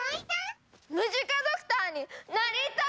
ムジカドクターになりたい！